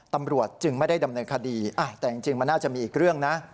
ตำรวจจึงไม่ได้ดำเนินคดีแต่จริงมันน่าจะมีอีกเรื่องนะ